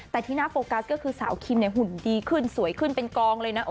แต่ที่น่าโฟกัสก็คือสาวคิมหุ่นดีขึ้นสวยขึ้นเป็นกองเลยนะ